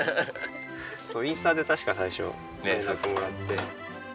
インスタで確か最初連絡もらって。